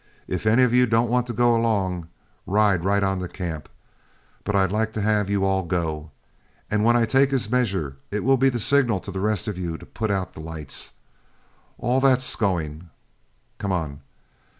If any of you don't want to go along, ride right on to camp, but I'd like to have you all go. And when I take his measure, it will be the signal to the rest of you to put out the lights. All that's going, come on."